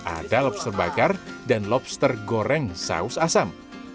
ada lobster bakar dan lobster goreng saus asam